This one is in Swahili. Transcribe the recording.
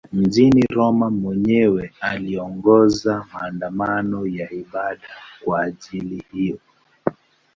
Mjini Roma mwenyewe aliongoza maandamano ya ibada kwa ajili hiyo.